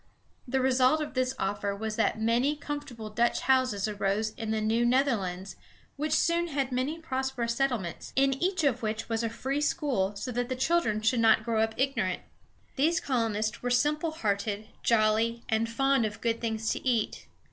The result of this offer was that many comfortable Dutch houses arose in the New Netherlands, which soon had many prosperous settlements, in each of which was a free school, so the children should not grow up ignorant. These colonists were simple hearted, jolly, and fond of good things to eat.